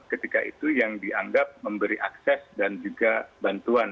ketika itu yang dianggap memberi akses dan juga bantuan